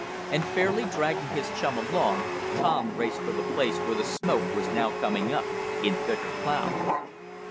and fairly dragging his chum along, Tom raced for the place where the smoke was now coming up in thicker clouds.